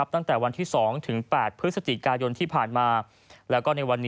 ตั้งแต่วันที่๒๘พฤศจิกายนที่ผ่านมา